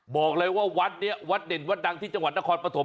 บอกเลยว่าวัดนี้วัดเด่นวัดดังที่จังหวัดนครปฐม